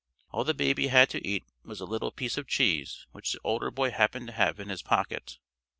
All the baby had to eat was a little piece of cheese which the older boy happened to have in his pocket.